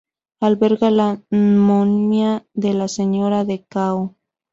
Alberga la momia de la Señora de Cao.